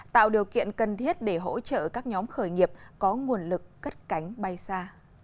tạo điều kiện cần thiết để hỗ trợ các nhóm khởi nghiệp có nguồn lực cất cánh bay xa